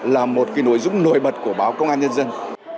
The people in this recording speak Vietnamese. là một nội dung nổi bật của báo công an nhân dân